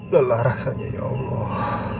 lelah rasanya ya allah